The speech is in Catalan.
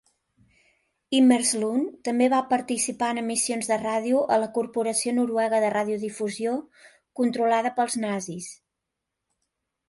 Imerslund també va participar en emissions de ràdio a la Corporació Noruega de Radiodifusió controlada pels nazis.